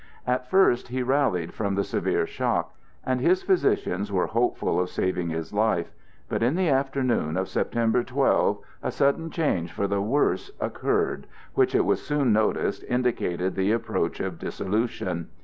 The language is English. At first he rallied from the severe shock, and his physicians were hopeful of saving his life, but in the afternoon of September 12, a sudden change for the worse occurred which, it was soon noticed, indicated the approach of dissolution.